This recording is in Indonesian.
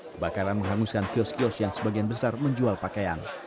kebakaran menghanguskan kios kios yang sebagian besar menjual pakaian